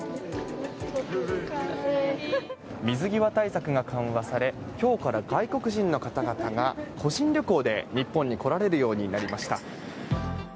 水際対策が緩和され今日から外国人の方々が個人旅行で日本に来られるようになりました。